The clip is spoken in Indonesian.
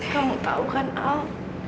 kamu tahu kan al